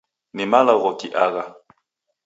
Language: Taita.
Ni malaghoki agha ?